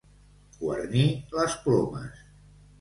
Guarnir les plomes.